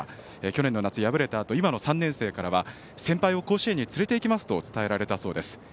去年の夏、敗れたあと今の３年生からは先輩を甲子園に連れて行きますと伝えられたそうです。